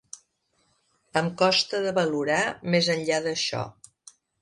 Em costa de valorar més enllà d’això.